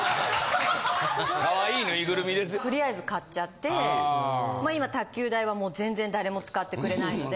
・可愛いぬいぐるみです・とりあえず買っちゃってもう今卓球台は全然誰も使ってくれないので。